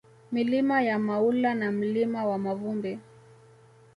Milima ya Maula na Mlima wa Mavumbi